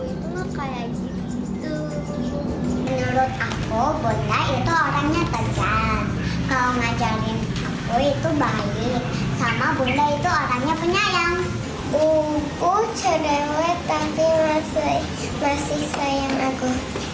ibu ibu cerewet tapi masih sayang aku